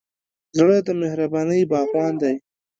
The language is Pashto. زړه د مهربانۍ باغوان دی.